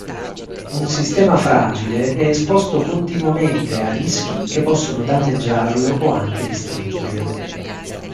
Un sistema fragile è esposto continuamente a rischi che possono danneggiarlo o anche distruggerlo.